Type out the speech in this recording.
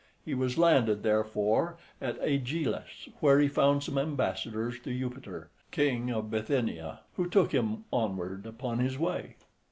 He was landed, therefore, at AEgialos, where he found some ambassadors to Eupator, King of Bithynia, who took him onward upon his way.